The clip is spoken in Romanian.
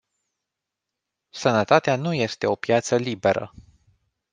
Sănătatea nu este o piață liberă.